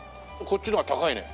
こっちの方が高いね。